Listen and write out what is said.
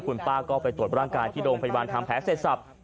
คุณป้าก็ไปตรวจร่างกายที่โรงพยาบาลทำแผลเสร็จสับ